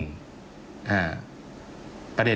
ประเด็นหนึ่งที่สำคัญก็คือว่า